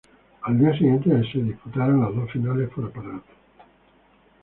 Al día siguiente se disputaron las dos finales por aparatos.